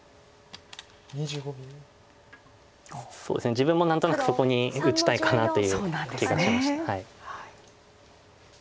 自分も何となくそこに打ちたいかなという気がしました。